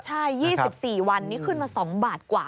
ใช่๒๔วันนี้ขึ้นมา๒บาทกว่า